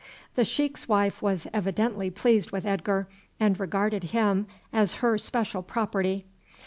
The sheik's wife was evidently pleased with Edgar, and regarded him as her special property.